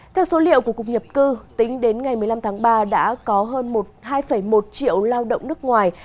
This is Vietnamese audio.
theo số liệu của cục nhập cư tính đến ngày một mươi năm tháng ba đã có hơn hai một triệu lao động nước ngoài